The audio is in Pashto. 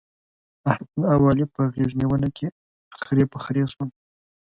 احمد او علي په غېږ نيونه کې خرې پر خرې شول.